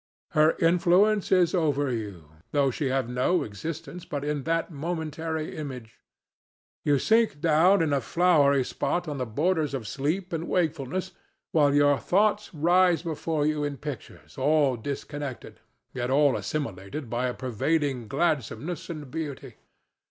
Her influence is over you, though she have no existence but in that momentary image. You sink down in a flowery spot on the borders of sleep and wakefulness, while your thoughts rise before you in pictures, all disconnected, yet all assimilated by a pervading gladsomeness and beauty.